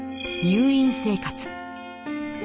入院生活。